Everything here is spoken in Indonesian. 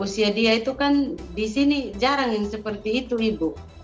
usia dia itu kan di sini jarang yang seperti itu ibu